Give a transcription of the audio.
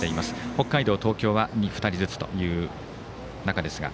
北海道、東京は２人ずつという中ですが。